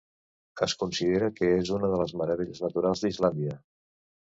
Es considera que és una de les meravelles naturals d'Islàndia.